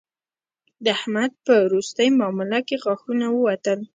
د احمد په روستۍ مامله کې غاښونه ووتل